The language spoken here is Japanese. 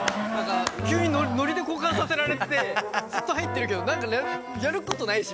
急にノリで交換させられてずっと入ってるけど何かやることないしみたいな。